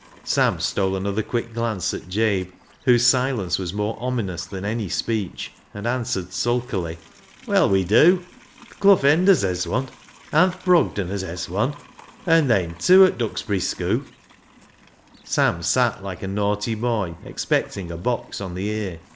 " Sam stole another quick glance at Jabe, whose silence was more ominous than any speech, and answered sulkily —" Well, we dew. Th' Clough Enders hez wun, an' th' Brogdeners hez wun, and they'n tew at Duxbury Schoo'." Sam sat like a naughty boy expecting a box on the ear.